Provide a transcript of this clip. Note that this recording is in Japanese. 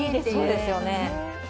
そうですよね。